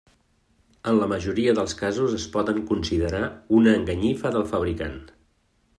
En la majoria dels casos es poden considerar una enganyifa del fabricant.